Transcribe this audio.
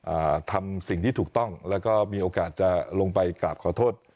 อ่าทำสิ่งที่ถูกต้องแล้วก็มีโอกาสจะลงไปกราบขอโทษ